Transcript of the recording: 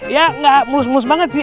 ya nggak mulus mulus banget sih